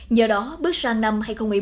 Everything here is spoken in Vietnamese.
nhờ đó bước sang năm hai nghìn một mươi bốn